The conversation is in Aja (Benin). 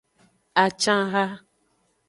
Acanha.